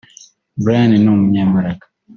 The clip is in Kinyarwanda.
Brian ni umunyembaraga